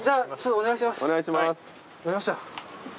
お願いします。